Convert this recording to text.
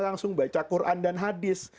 langsung baca quran dan hadis